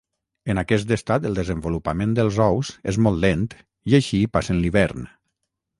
En aquest estat el desenvolupament dels ous és molt lent i així passen l'hivern.